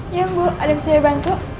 iya bu ada yang bisa dibantu